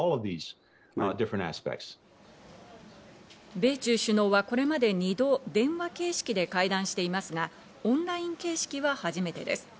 米中首脳はこれまで２度、電話形式で会談していますが、オンライン形式は初めてです。